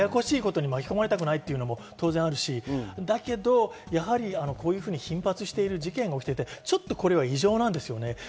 ややこしいことに巻き込まれたくないというのも当然あるし、だけどこういうふうに頻発している事件があって、これは異常です。